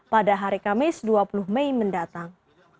pada hari kamis dua puluh mei mendatang